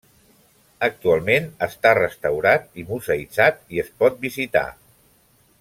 Actualment està restaurat i museïtzat i es pot visitar.